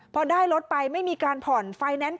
พอได้รถไปไม่มีการผ่อนไฟแนนซ์